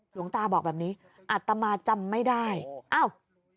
หลวงตาบอกแบบนี้อัตมาจำไม่ได้อ้าว